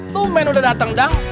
tumen udah dateng dang